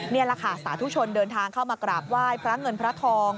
นี่แหละค่ะสาธุชนเดินทางเข้ามากราบไหว้พระเงินพระทอง